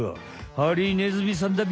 ハリネズミさんだビ。